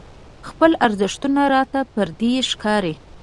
خپل ارزښتونه راته پردي ښکاري.